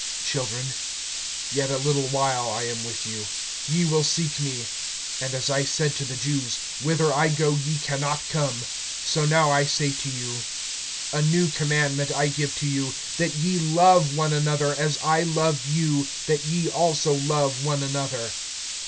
(33)Children, yet a little while I am with you. Ye will seek me; and as I said to the Jews, whither I go ye can not come, so now I say to you. (34)A new commandment I give to you, that ye love one another; as I loved you, that ye also love one another.